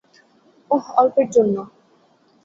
ওহ, অল্পের জন্য!